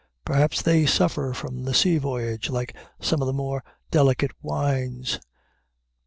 Perhaps they suffer from the sea voyage like some of the more delicate wines.